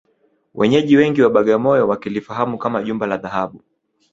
Wenyeji wengi wa Bagamoyo wakilifahamu kama Jumba la Dhahabu